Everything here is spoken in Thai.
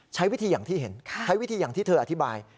ใช้วิธีอย่างที่เห็นใช้วิธีอย่างที่เธออธิบาย